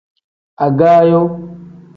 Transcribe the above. Agaayo.